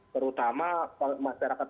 terutama masyarakat masyarakat